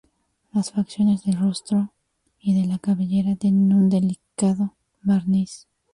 Las facciones del rostro y de la cabellera tienen un delicado barniz.